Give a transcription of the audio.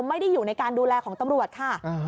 ไม่ได้อยู่ในการดูแลของตำรวจค่ะ